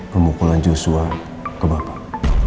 pemukulan joshua ke bapak